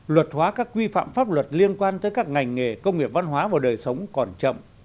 luật hóa các quy phạm pháp luật liên quan tới các ngành nghề công nghiệp văn hóa và đời sống còn chậm